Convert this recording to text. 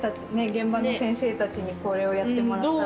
現場の先生たちにこれをやってもらったら。